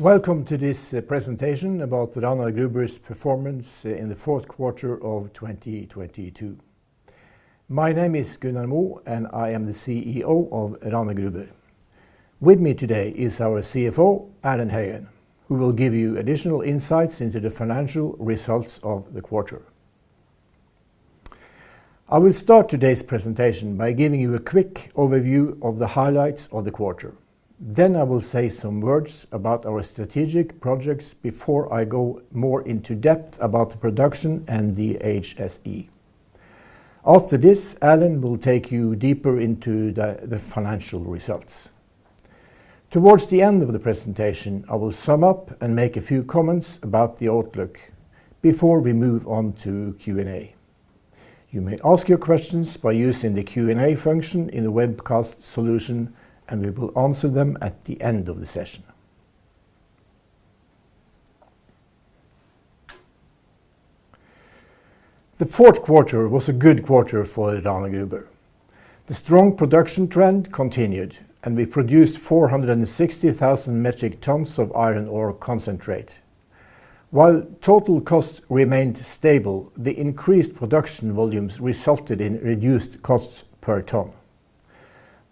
Welcome to this presentation about Rana Gruber's Performance in the Fourth Quarter of 2022. My name is Gunnar Moe. I am the CEO of Rana Gruber. With me today is our CFO, Erlend Høyen, who will give you additional insights into the financial results of the quarter. I will start today's presentation by giving you a quick overview of the highlights of the quarter. I will say some words about our strategic projects before I go more into depth about the production and the HSE. After this, Erlend will take you deeper into the financial results. Towards the end of the presentation, I will sum up and make a few comments about the outlook before we move on to Q&A. You may ask your questions by using the Q&A function in the webcast solution. We will answer them at the end of the session. The fourth quarter was a good quarter for Rana Gruber. The strong production trend continued, we produced 460,000 metric tons of iron ore concentrate. While total cost remained stable, the increased production volumes resulted in reduced costs per ton.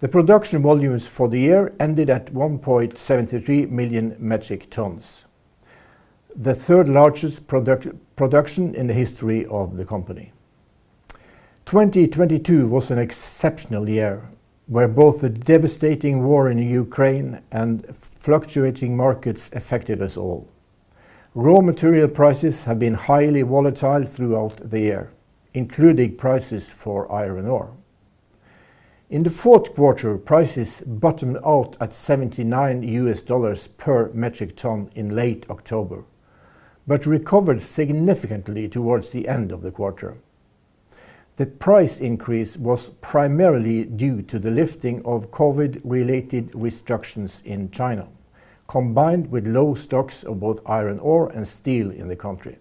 The production volumes for the year ended at 1.73 million metric tons, the third-largest product-production in the history of the company. 2022 was an exceptional year, where both the devastating war in Ukraine and fluctuating markets affected us all. Raw material prices have been highly volatile throughout the year, including prices for iron ore. In the fourth quarter, prices bottomed out at $79 per metric ton in late October, recovered significantly towards the end of the quarter. The price increase was primarily due to the lifting of COVID-related restrictions in China, combined with low stocks of both iron ore and steel in the country.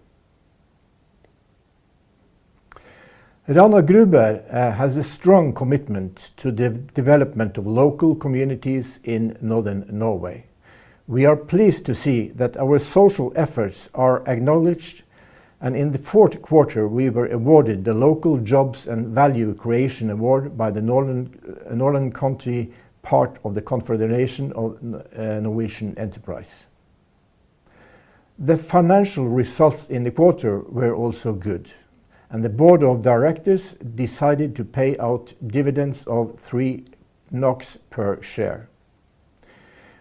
Rana Gruber has a strong commitment to development of local communities in northern Norway. We are pleased to see that our social efforts are acknowledged, and in the fourth quarter, we were awarded the Local Jobs and Value Creation Award by the northern county part of the Confederation of Norwegian Enterprise. The financial results in the quarter were also good, and the board of directors decided to pay out dividends of 3 NOK per share.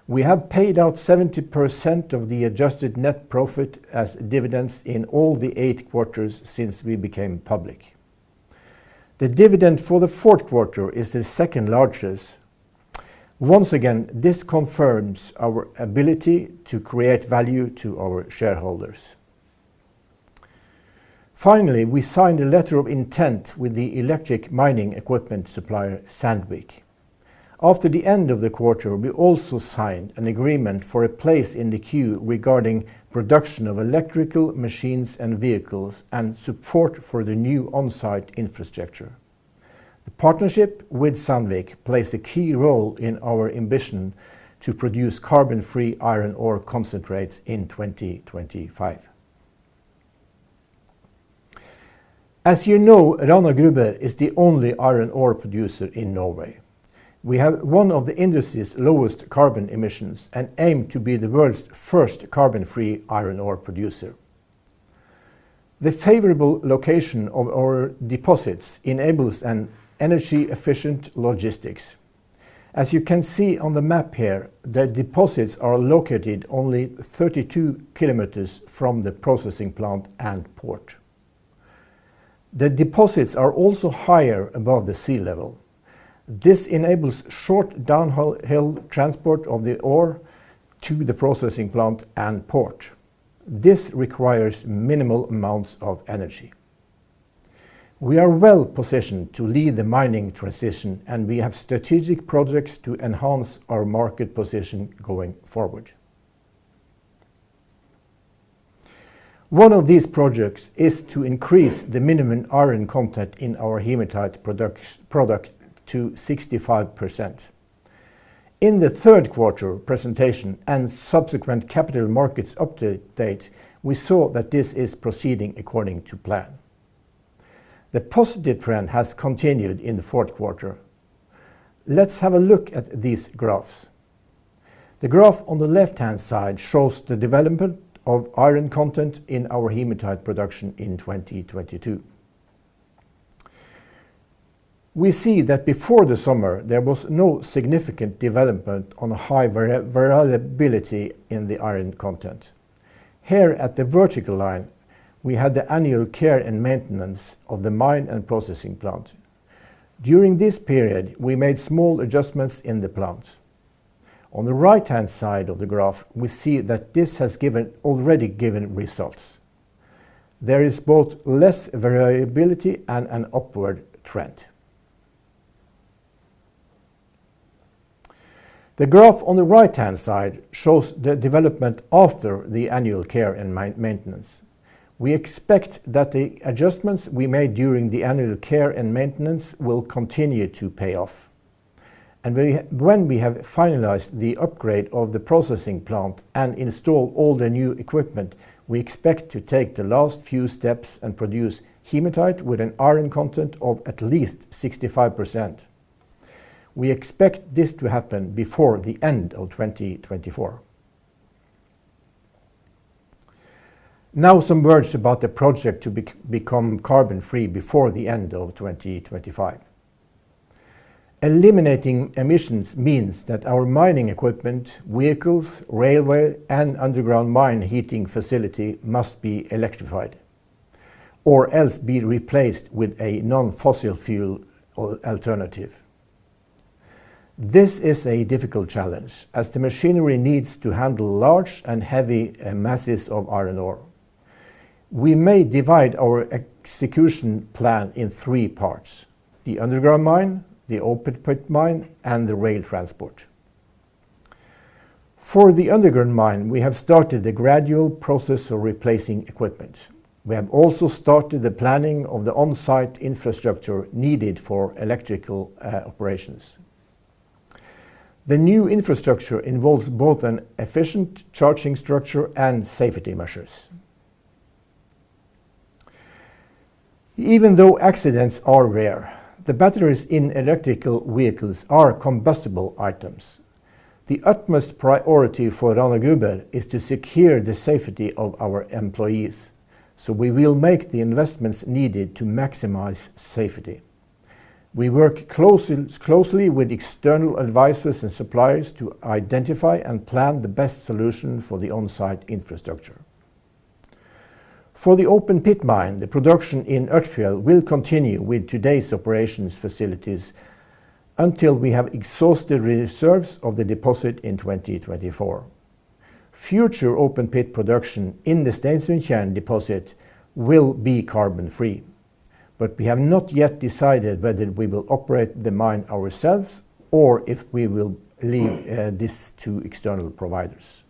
We have paid out 70% of the adjusted net profit as dividends in all the 8 quarters since we became public. The dividend for the fourth quarter is the second-largest. Once again, this confirms our ability to create value to our shareholders. Finally, we signed a letter of intent with the electric mining equipment supplier Sandvik. After the end of the quarter, we also signed an agreement for a place in the queue regarding production of electrical machines and vehicles and support for the new on-site infrastructure. The partnership with Sandvik plays a key role in our ambition to produce carbon-free iron ore concentrates in 2025. As you know, Rana Gruber is the only iron ore producer in Norway. We have one of the industry's lowest carbon emissions and aim to be the world's first carbon-free iron ore producer. The favorable location of our deposits enables an energy-efficient logistics. As you can see on the map here, the deposits are located only 32 km from the processing plant and port. The deposits are also higher above the sea level. This enables short downhill transport of the ore to the processing plant and port. This requires minimal amounts of energy. We are well-positioned to lead the mining transition. We have strategic projects to enhance our market position going forward. One of these projects is to increase the minimum iron content in our hematite product to 65%. In the third quarter presentation and subsequent capital markets update, we saw that this is proceeding according to plan. The positive trend has continued in the fourth quarter. Let's have a look at these graphs. The graph on the left-hand side shows the development of iron content in our hematite production in 2022. We see that before the summer, there was no significant development on high variability in the iron content. Here at the vertical line, we had the annual care and maintenance of the mine and processing plant. During this period, we made small adjustments in the plant. On the right-hand side of the graph, we see that this has already given results. There is both less variability and an upward trend. The graph on the right-hand side shows the development after the annual care and maintenance. We expect that the adjustments we made during the annual care and maintenance will continue to pay off. When we have finalized the upgrade of the processing plant and install all the new equipment, we expect to take the last few steps and produce hematite with an iron content of at least 65%. We expect this to happen before the end of 2024. Some words about the project to become carbon-free before the end of 2025. Eliminating emissions means that our mining equipment, vehicles, railway, and underground mine heating facility must be electrified or else be replaced with a non-fossil fuel or alternative. This is a difficult challenge, as the machinery needs to handle large and heavy masses of iron ore. We may divide our execution plan in three parts, the underground mine, the open pit mine, and the rail transport. For the underground mine, we have started the gradual process of replacing equipment. We have also started the planning of the on-site infrastructure needed for electrical operations. The new infrastructure involves both an efficient charging structure and safety measures. Even though accidents are rare, the batteries in electrical vehicles are combustible items. The utmost priority for Rana Gruber is to secure the safety of our employees. We will make the investments needed to maximize safety. We work closely with external advisors and suppliers to identify and plan the best solution for the on-site infrastructure. For the open pit mine, the production in Ørtfjell will continue with today's operations facilities until we have exhausted reserves of the deposit in 2024. Future open pit production in the Stensundtjern deposit will be carbon-free. We have not yet decided whether we will operate the mine ourselves or if we will leave this to external providers.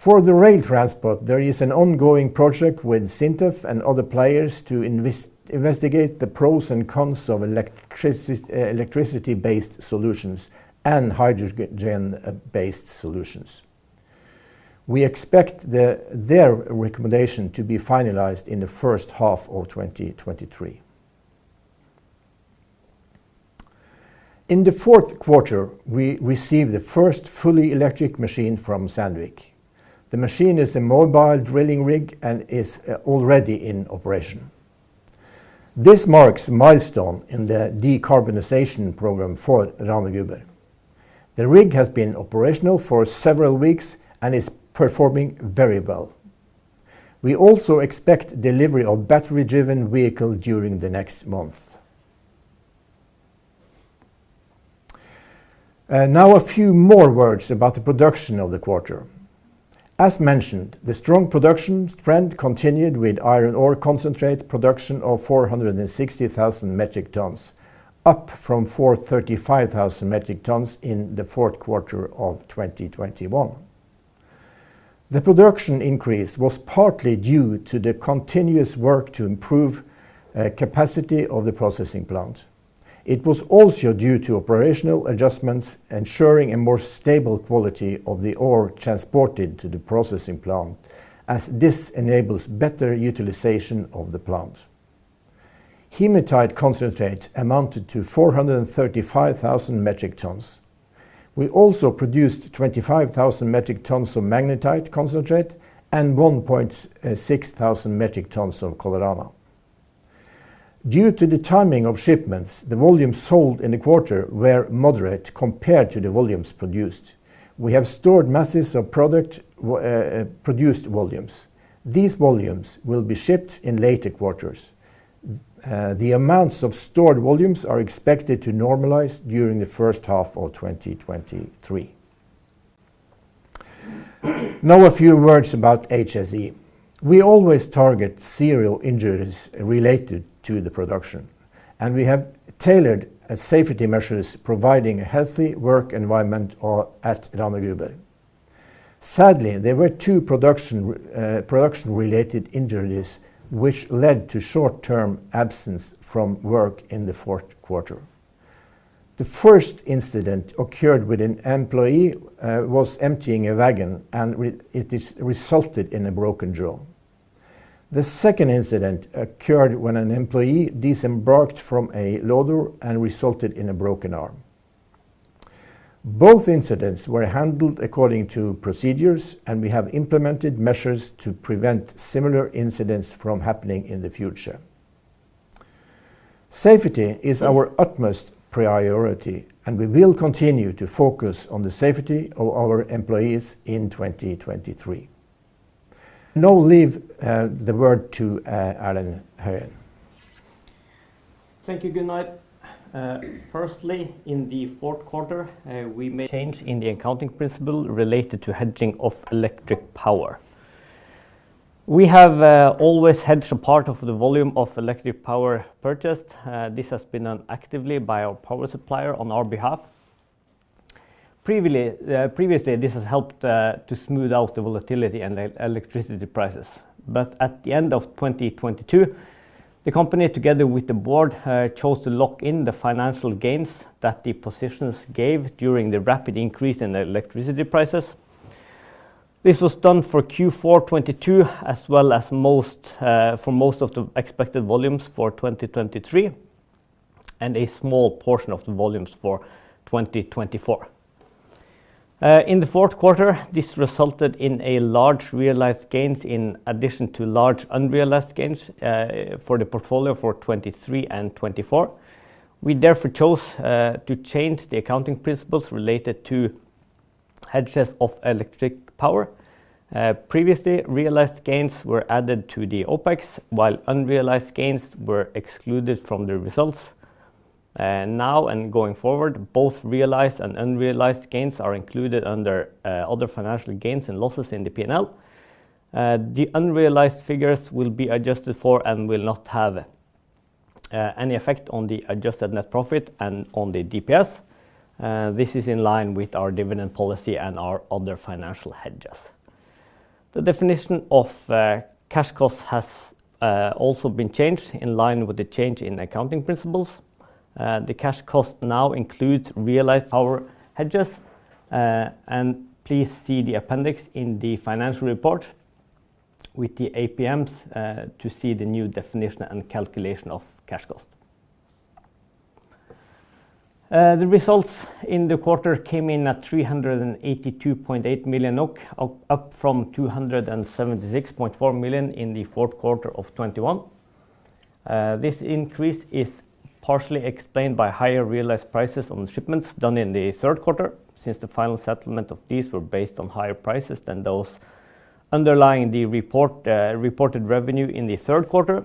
For the rail transport, there is an ongoing project with SINTEF and other players to investigate the pros and cons of electricity-based solutions and hydrogen-based solutions. We expect their recommendation to be finalized in the first half of 2023. In the fourth quarter, we received the first fully electric machine from Sandvik. The machine is a mobile drilling rig and is already in operation. This marks milestone in the decarbonization program for Rana Gruber. The rig has been operational for several weeks and is performing very well. We also expect delivery of battery-driven vehicle during the next month. Now a few more words about the production of the quarter. As mentioned, the strong production trend continued with iron ore concentrate production of 460,000 metric tons, up from 435 metric tons in Q4 2021. The production increase was partly due to the continuous work to improve capacity of the processing plant. It was also due to operational adjustments ensuring a more stable quality of the ore transported to the processing plant, as this enables better utilization of the plant. Hematite concentrate amounted to 435,000 metric tons. We also produced 25,000 metric tons of magnetite concentrate and 1,600 metric tons of Colorana. Due to the timing of shipments, the volumes sold in the quarter were moderate compared to the volumes produced. We have stored masses of product produced volumes. These volumes will be shipped in later quarters. The amounts of stored volumes are expected to normalize during the first half of 2023. Now a few words about HSE. We always target zero injuries related to the production, and we have tailored safety measures providing a healthy work environment or at Rana Gruber. Sadly, there were two production-related injuries which led to short-term absence from work in the fourth quarter. The first incident occurred with an employee was emptying a wagon, and resulted in a broken jaw. The second incident occurred when an employee disembarked from a loader and resulted in a broken arm. Both incidents were handled according to procedures, and we have implemented measures to prevent similar incidents from happening in the future. Safety is our utmost priority, and we will continue to focus on the safety of our employees in 2023. Leave the word to Erlend Høyen. Thank you, Gunnar. Firstly, in the fourth quarter, we made change in the accounting principle related to hedging of electric power. We have always hedged a part of the volume of electric power purchased. This has been done actively by our power supplier on our behalf. Previously, this has helped to smooth out the volatility in electricity prices. At the end of 2022, the company, together with the board chose to lock in the financial gains that the positions gave during the rapid increase in the electricity prices. This was done for Q4 2022 as well as most for most of the expected volumes for 2023, and a small portion of the volumes for 2024. In the fourth quarter, this resulted in a large realized gains in addition to large unrealized gains for the portfolio for 2023 and 2024. We therefore chose to change the accounting principles related to hedges of electric power. Previously realized gains were added to the OPEX, while unrealized gains were excluded from the results. Now and going forward, both realized and unrealized gains are included under other financial gains and losses in the P&L. The unrealized figures will be adjusted for and will not have any effect on the adjusted net profit and on the DPS. This is in line with our dividend policy and our other financial hedges. The definition of cash costs has also been changed in line with the change in accounting principles. The cash cost now includes realized power hedges. Please see the appendix in the financial report with the APMs to see the new definition and calculation of cash cost. The results in the quarter came in at 382.8 million, up from 276.4 million in the fourth quarter of 2021. This increase is partially explained by higher realized prices on shipments done in the third quarter since the final settlement of these were based on higher prices than those underlying the reported revenue in the third quarter.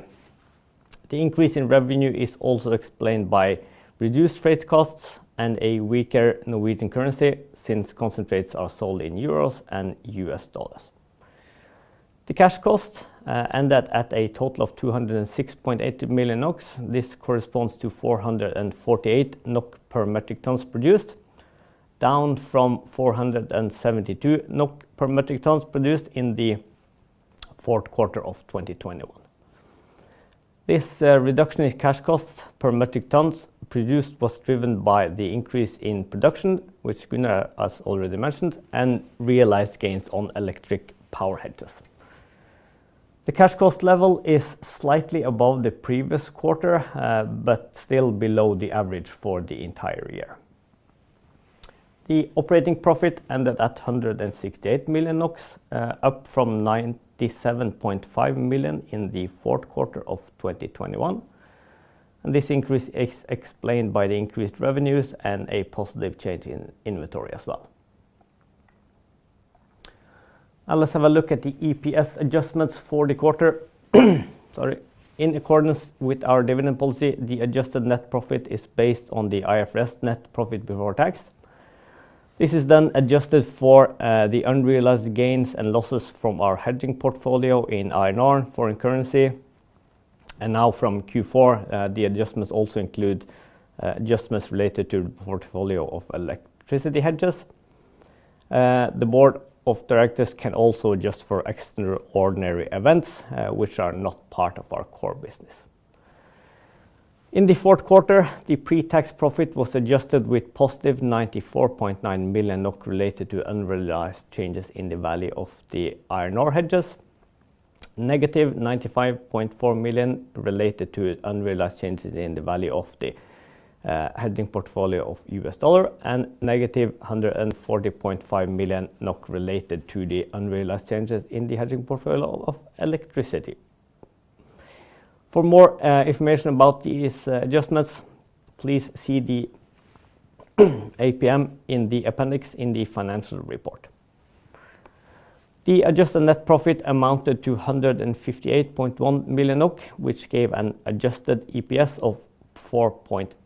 The increase in revenue is also explained by reduced freight costs and a weaker Norwegian currency since concentrates are sold in euros and US dollars. The cash cost ended at a total of 206.8 million NOK. This corresponds to 448 NOK per metric tons produced, down from 472 NOK per metric tons produced in the fourth quarter of 2021. This reduction in cash costs per metric tons produced was driven by the increase in production, which Gunnar has already mentioned, and realized gains on electric power hedges. The cash cost level is slightly above the previous quarter, but still below the average for the entire year. The operating profit ended at 168 million NOK, up from 97.5 million NOK in the fourth quarter of 2021, and this increase is explained by the increased revenues and a positive change in inventory as well. Now let's have a look at the EPS adjustments for the quarter. Sorry. In accordance with our dividend policy, the adjusted net profit is based on the IFRS net profit before tax. This is then adjusted for the unrealized gains and losses from our hedging portfolio in iron ore, foreign currency. Now from Q4, the adjustments also include adjustments related to the portfolio of electricity hedges. The board of directors can also adjust for extraordinary events which are not part of our core business. In the fourth quarter, the pre-tax profit was adjusted with positive 94.9 million NOK related to unrealized changes in the value of the iron ore hedges, negative NOK 95.4 million related to unrealized changes in the value of the hedging portfolio of US dollar and negative NOK 140.5 million related to the unrealized changes in the hedging portfolio of electricity. For more information about these adjustments, please see the APM in the appendix in the financial report. The adjusted net profit amounted to 158.1 million NOK, which gave an adjusted EPS of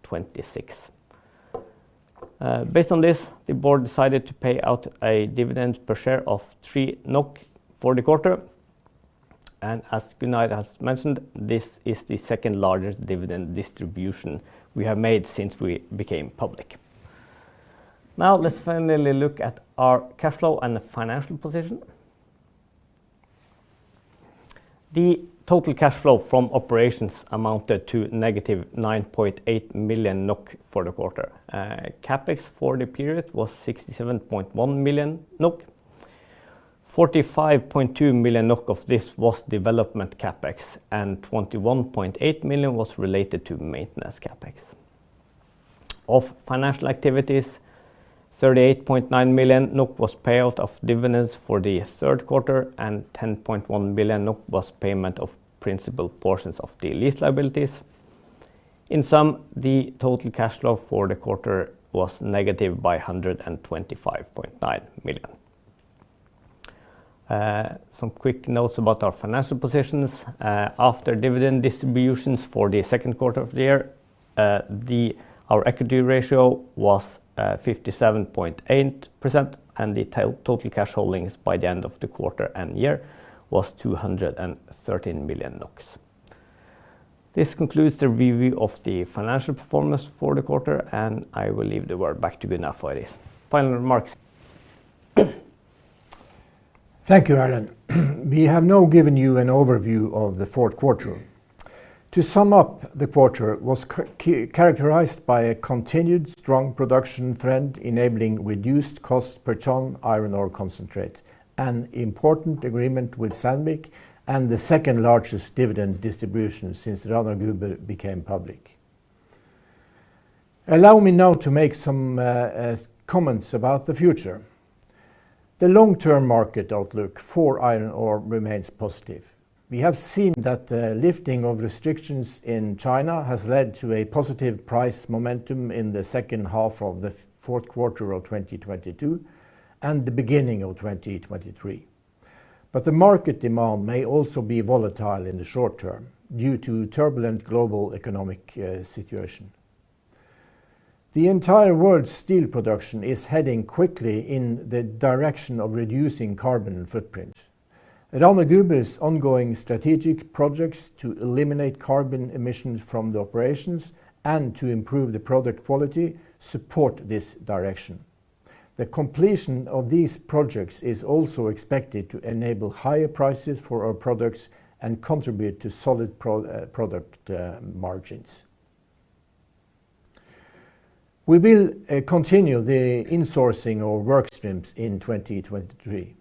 4.26. Based on this, the board decided to pay out a dividend per share of 3 NOK for the quarter, and as Gunnar has mentioned, this is the second-largest dividend distribution we have made since we became public. Let's finally look at our cash flow and the financial position. The total cash flow from operations amounted to negative 9.8 million NOK for the quarter. CapEx for the period was 67.1 million NOK. 45.2 million NOK of this was development CapEx, and 21.8 million was related to maintenance CapEx. Of financial activities, 38.9 million NOK was payout of dividends for the third quarter, and 10.1 million NOK was payment of principal portions of the lease liabilities. In sum, the total cash flow for the quarter was negative by 125.9 million. Some quick notes about our financial positions. After dividend distributions for the second quarter of the year, our equity ratio was 57.8%, and the total cash holdings by the end of the quarter and year was 213 million NOK. This concludes the review of the financial performance for the quarter, and I will leave the word back to Gunnar for his final remarks. Thank you, Erlend. We have now given you an overview of the 4th quarter. To sum up, the quarter was characterized by a continued strong production trend enabling reduced cost per ton iron ore concentrate, an important agreement with Sandvik, and the 2nd-largest dividend distribution since Rana Gruber became public. Allow me now to make some comments about the future. The long-term market outlook for iron ore remains positive. We have seen that the lifting of restrictions in China has led to a positive price momentum in the 2nd half of the 4th quarter of 2022 and the beginning of 2023. The market demand may also be volatile in the short term due to turbulent global economic situation. The entire world steel production is heading quickly in the direction of reducing carbon footprint. Rana Gruber's ongoing strategic projects to eliminate carbon emissions from the operations and to improve the product quality support this direction. The completion of these projects is also expected to enable higher prices for our products and contribute to solid product margins. We will continue the insourcing of work streams in 2023.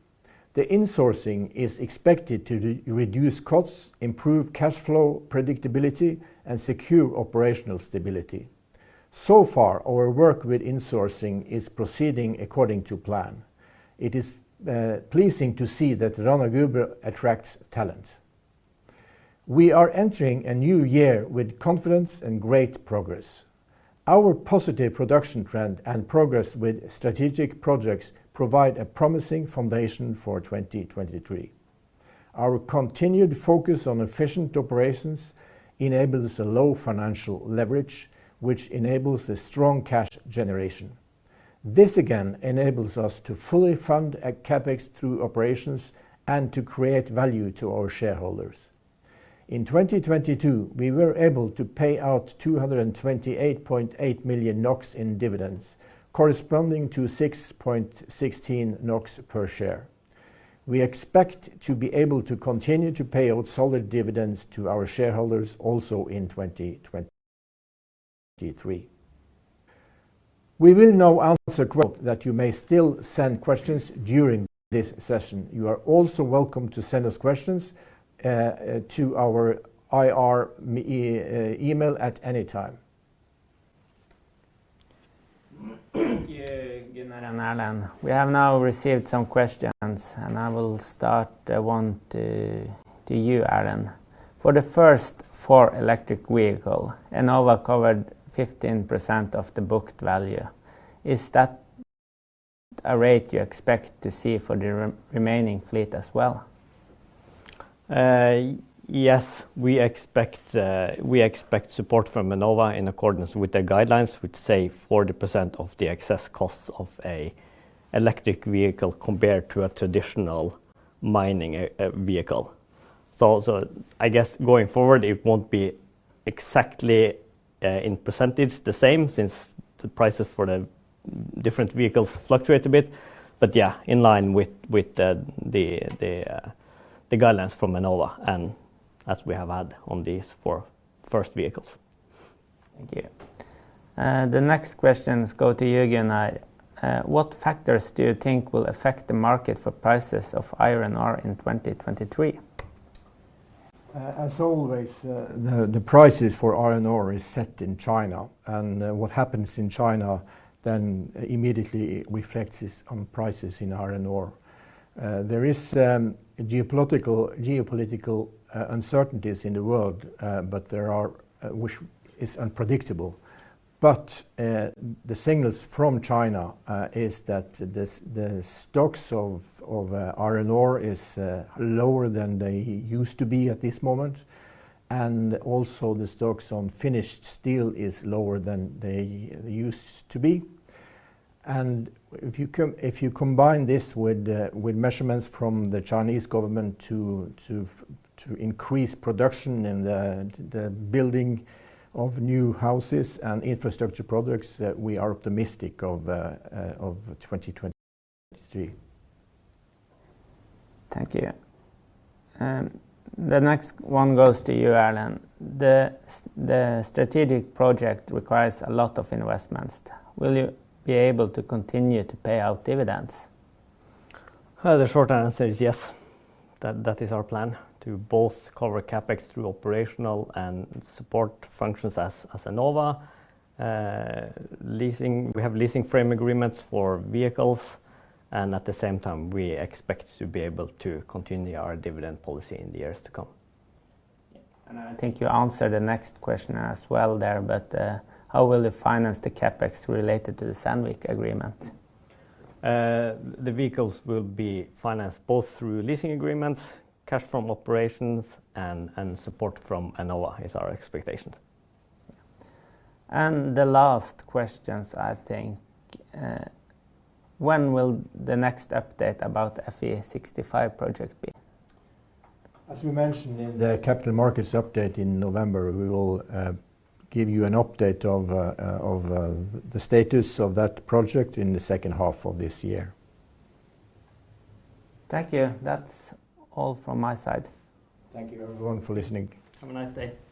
The insourcing is expected to reduce costs, improve cash flow predictability, and secure operational stability. Far, our work with insourcing is proceeding according to plan. It is pleasing to see that Rana Gruber attracts talent. We are entering a new year with confidence and great progress. Our positive production trend and progress with strategic projects provide a promising foundation for 2023. Our continued focus on efficient operations enables a low financial leverage, which enables a strong cash generation. This again enables us to fully fund a CapEx through operations and to create value to our shareholders. In 2022, we were able to pay out 228.8 million NOK in dividends corresponding to 6.16 NOK per share. We expect to be able to continue to pay out solid dividends to our shareholders also in 2023. We will now answer questions that you may still send questions during this session. You are also welcome to send us questions to our IR email at any time. Thank you, Gunnar and Erlend. We have now received some questions, and I will start one to you, Erlend. For the first 4 electric vehicle, Enova covered 15% of the booked value. Is that a rate you expect to see for the remaining fleet as well? Yes. We expect support from Enova in accordance with their guidelines, which say 40% of the excess costs of a electric vehicle compared to a traditional mining vehicle. I guess going forward, it won't be exactly in percentage the same since the prices for the different vehicles fluctuate a bit. Yeah, in line with the guidelines from Enova, and as we have had on these 4 first vehicles. Thank you. The next questions go to you, Gunnar. What factors do you think will affect the market for prices of iron ore in 2023? As always, the prices for iron ore is set in China, and what happens in China then immediately reflects on prices in iron ore. There is geopolitical uncertainties in the world, which is unpredictable. The signals from China is that the stocks of iron ore is lower than they used to be at this moment. Also the stocks on finished steel is lower than they used to be. If you combine this with measurements from the Chinese government to increase production in the building of new houses and infrastructure products, we are optimistic of 2023. Thank you. The next one goes to you, Erlend. The strategic project requires a lot of investments. Will you be able to continue to pay out dividends? The short answer is yes. That is our plan, to both cover CapEx through operational and support functions as Enova. Leasing, we have leasing frame agreements for vehicles, and at the same time, we expect to be able to continue our dividend policy in the years to come. I think you answered the next question as well there, but how will you finance the CapEx related to the Sandvik agreement? The vehicles will be financed both through leasing agreements, cash from operations and support from Enova is our expectation. The last questions, I think, when will the next update about Fe65 project be? As we mentioned in the capital markets update in November, we will give you an update of the status of that project in the second half of this year. Thank you. That's all from my side. Thank you everyone for listening. Have a nice day.